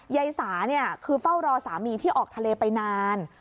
ยายสาคือเฝ้ารอสามีที่ออกทะเลไปนาน